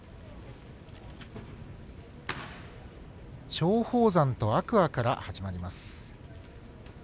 松鳳山と天空海から始まります。